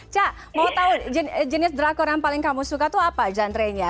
cak mau tahu jenis drakor yang paling kamu suka tuh apa genre nya